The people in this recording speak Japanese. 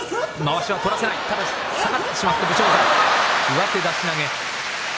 上手出し投げ。